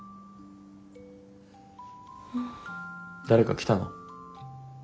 誰か来たの？